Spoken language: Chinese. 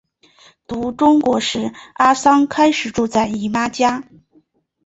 读国中时阿桑开始住在姨妈家。